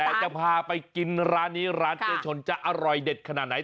แต่จะพาไปกินร้านนี้ร้านเจ๊ชนจะอร่อยเด็ดขนาดไหน